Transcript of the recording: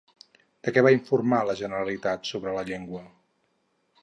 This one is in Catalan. De què va informar la Generalitat sobre la llengua?